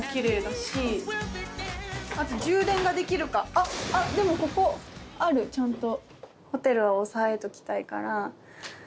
あっでもここあるちゃんと。